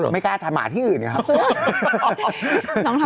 ไม่กล้าทำหมาที่อื่นนะครับ